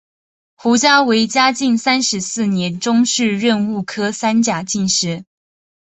胡价为嘉靖三十四年中式壬戌科三甲进士。